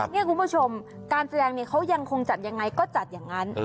นี่คุณผู้ชมการแสดงเนี่ยเขายังคงจัดยังไงก็จัดอย่างนั้น